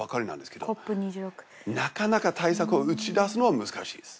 なかなか対策を打ち出すのは難しいです